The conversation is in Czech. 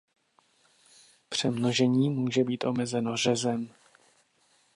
Přemnožení může být omezeno řezem.